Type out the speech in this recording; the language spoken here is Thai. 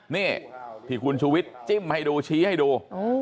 นี่ที่คุณชูวิทย์จิ้มให้ดูชี้ให้ดู